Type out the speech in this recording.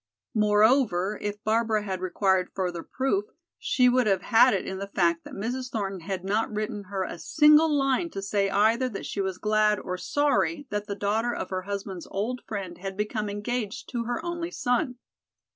Moreover, if Barbara had required further proof, she would have had it in the fact that Mrs. Thornton had not written her a single line to say either that she was glad or sorry that the daughter of her husband's old friend had become engaged to her only son.